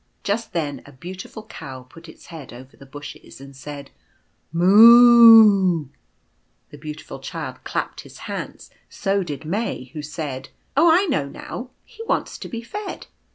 Just then a beautiful Cow put its head over the bushes, and said, " Moo 00 00." The Beautiful Child clapped his hands; so did May, who said : "Oh, I know now. He wants to be fed."